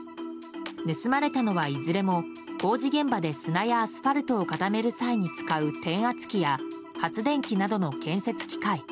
盗まれたのは、いずれも工事現場で砂やアスファルトを固める際に使う転圧機や発電機などの建設機械。